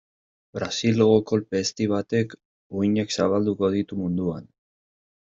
Brasilgo kolpe ezti batek uhinak zabalduko ditu munduan.